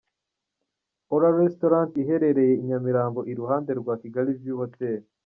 Ora Restaurant iherereye I nyamirambo iruhande rwa Kigali View Hotel.